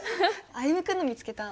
歩夢君の見つけた。